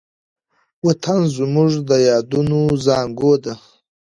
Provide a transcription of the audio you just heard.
وطن زموږ د یادونو زانګو ده.